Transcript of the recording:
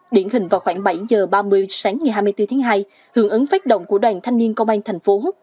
điển hình vào khoảng bảy h ba mươi sáng ngày hai mươi bốn tháng hai hưởng ứng phát động của đoàn thanh niên công an thành phố hút